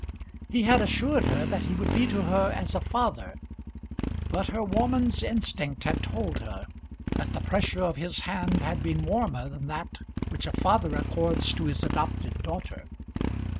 He had assured her that he would be to her as a father, but her woman's instinct had told her that the pressure of his hand had been warmer than that which a father accords to his adopted daughter.